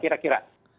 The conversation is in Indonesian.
itu pak kira kira